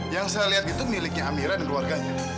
yang saya lihat itu miliknya amira dan keluarganya